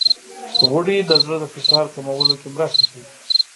غوړې د زړه د فشار کمولو کې مرسته کوي.